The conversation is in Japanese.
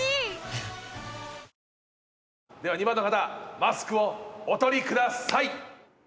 え．．．では２番の方マスクをお取りください！